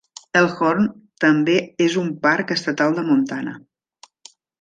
Elkhorn també és un parc estatal de Montana.